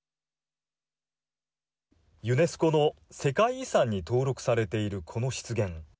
ユネスコの世界遺産に登録されている、この湿原。